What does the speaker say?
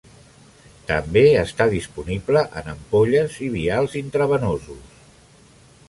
També està disponible en ampolles i vials intravenosos.